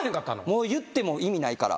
もう言っても意味ないから。